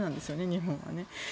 日本はね。